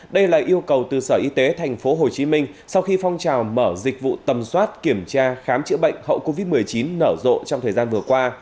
đây là yêu cầu từ sở y tế tp hcm sau khi phong trào mở dịch vụ tầm soát kiểm tra khám chữa bệnh hậu covid một mươi chín nở rộ trong thời gian vừa qua